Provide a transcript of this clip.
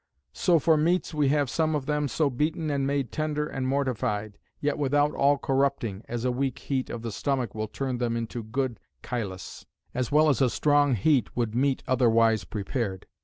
So for meats, we have some of them so beaten and made tender and mortified,' yet without all corrupting, as a weak heat of the stomach will turn them into good chylus; as well as a strong heat would meat otherwise prepared.